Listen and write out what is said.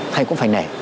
thầy cũng phải nể